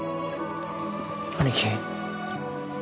兄貴。